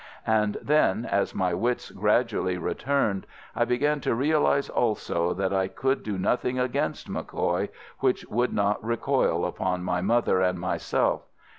And then, as my wits gradually returned, I began to realize also that I could do nothing against MacCoy which would not recoil upon my mother and myself.